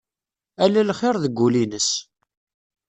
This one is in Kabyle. Ala lxir deg wul-ines.